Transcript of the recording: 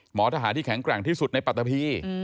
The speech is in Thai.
ทหารที่แข็งแกร่งที่สุดในปัตตาพี